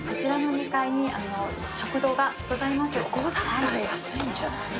漁港だったら安いんじゃない？